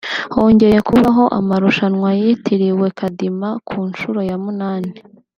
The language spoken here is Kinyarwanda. hongeye kubaho amarushanwa yitiriwe Kadima ku nshuro ya munani